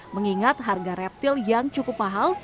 mengingat harga reptil yang cukup mahal